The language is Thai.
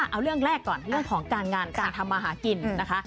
เอาเรื่องแรกก่อนเรื่องของการงานการทำมาหากินนะคะ